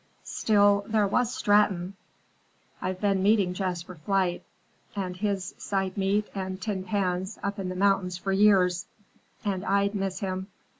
Still, there was Stratton. I've been meeting Jasper Flight, and his side meat and tin pans, up in the mountains for years, and I'd miss him.